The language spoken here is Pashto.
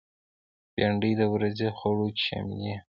بېنډۍ د ورځې خوړو کې شاملېږي